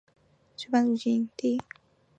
另外这边也是水半球的中心地。